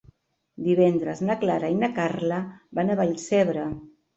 Divendres na Clara i na Carla van a Vallcebre.